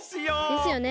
ですよね。